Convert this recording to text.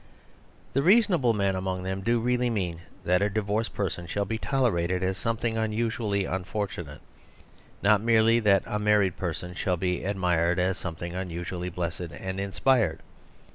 The reasonable men among them do really mean that a divorced person shall be toler ated as something unusually unfortunate, not merely that a married person shall be admired as something unusually blessed and inspired.